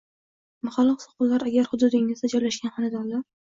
mahalla oqsoqollari, agar hududingizda joylashgan xonadonlar